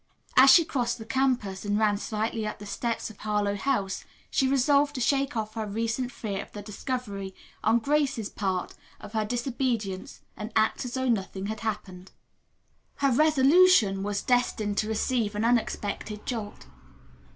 As she crossed the campus and ran lightly up the steps of Harlowe House she resolved to shake off her recent fear of the discovery, on Grace's part, of her disobedience and act as though nothing had happened. Her resolution was destined to receive an unexpected jolt.